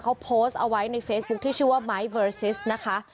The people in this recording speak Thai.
เขาโพสต์เอาไว้ในเฟซบุ๊คที่ชื่อว่าไม้เบอเรซิสนะคะ